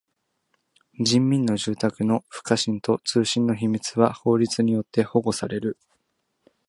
人民の住宅の不可侵と通信の秘密は法律によって保護される。